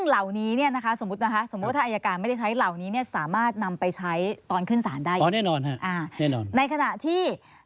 ใช้ตอนขึ้นศาลได้อ๋อแน่นอนฮะอ่าแน่นอนในขณะที่